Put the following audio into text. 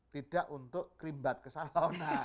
tidak untuk kerimbat ke salana